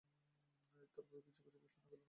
তার পরে কী চুপিচুপি বললে, শোনা গেল না।